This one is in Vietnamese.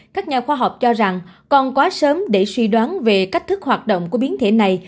các nhà khoa học cho rằng còn quá sớm để suy đoán về cách thức hoạt động của biến thể này